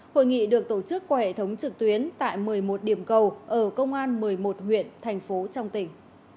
hội nghị được tổ chức qua hệ thống trực tuyến tại một mươi một điểm cầu ở công an một mươi một huyện thành phố trong tỉnh